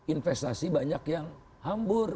investasi banyak yang hambur